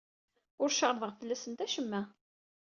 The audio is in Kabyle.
Ur cerrḍeɣ fell-asent acemma.